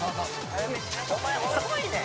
「お前遅いねん」